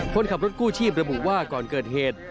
คนขับรถกู้ชีพระบุว่าก่อนเกิดเหตุ